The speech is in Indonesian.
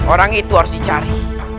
orang itu harus dicari